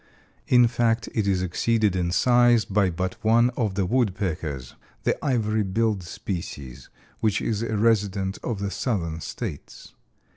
In fact, it is exceeded in size by but one of the Woodpeckers—the ivory billed species—which is a resident of the Southern States.